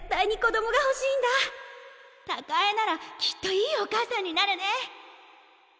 貴恵ならきっといいお母さんになるね。